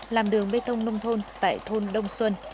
làm đường bê tông nông thôn tại thôn đông xuân